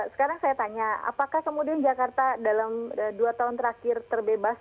sekarang saya tanya apakah kemudian jakarta dalam dua tahun terakhir terbebas